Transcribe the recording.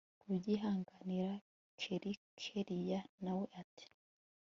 kubyihanganira kelli kellia nawe ati